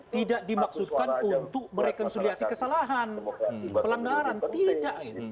tidak dimaksudkan untuk merekonsiliasi kesalahan pelenggaran tidak